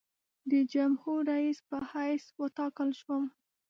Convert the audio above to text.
د جمهورریس په حیث وټاکل شوم.